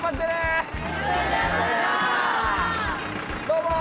どうも！